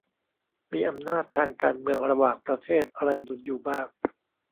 มีอำนาจทางการเมืองระหว่างประเทศอะไรหนุนอยู่บ้าง